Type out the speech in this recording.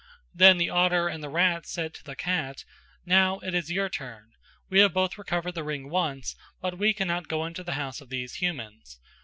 Then the otter and the rat said to the cat "Now it is your turn: we have both recovered the ring once, but we cannot go into the house of these humans.